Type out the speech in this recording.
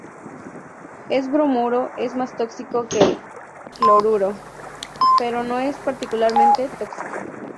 El bromuro es más tóxico que el cloruro, pero no es particularmente tóxico.